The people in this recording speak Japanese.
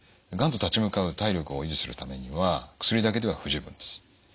がんと立ち向かう体力を維持するためには薬だけでは不十分です。